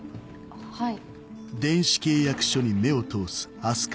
はい。